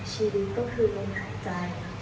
ชีวิตก็คือลมหายใจ